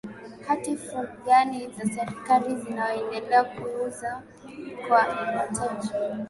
hati fungani za serikali zinaendelea kuuzwa kwa wateja